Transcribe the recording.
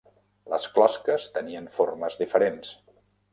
Les closques tenien formes diferents.